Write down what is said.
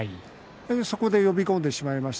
そこで呼び込んでしまいました。